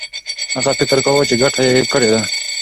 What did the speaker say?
هغه فکر کاوه چي ګټه یې کړې ده.